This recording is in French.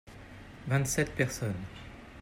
vingt sept personnes.